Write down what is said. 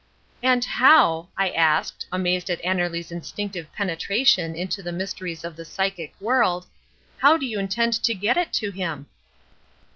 "And how," I asked, amazed at Annerly's instinctive penetration into the mysteries of the psychic world, "how do you intend to get it to him?"